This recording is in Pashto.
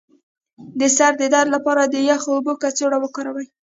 د سر د درد لپاره د یخو اوبو کڅوړه وکاروئ